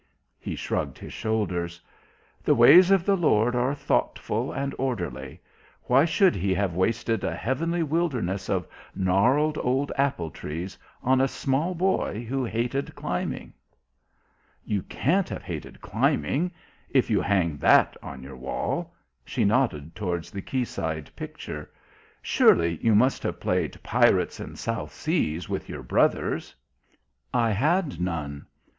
He shrugged his shoulders. "The ways of the Lord are thoughtful and orderly. Why should He have wasted a heavenly wilderness of gnarled old apple trees on a small boy who hated climbing?" "You can't have hated climbing if you hang that on your wall." She nodded towards the quayside picture. "Surely you must have played 'pirates and South Seas' with your brothers." "I had none.